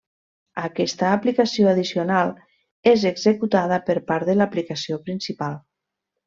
Aquesta aplicació addicional és executada per part de l'aplicació principal.